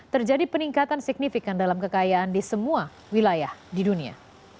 terjadi peningkatan signifikan dalam kekayaan di semua wilayah di dunia